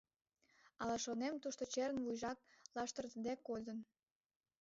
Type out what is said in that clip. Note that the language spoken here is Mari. Ала, шонем, тушто черын вуйжак лаштыртыде кодын?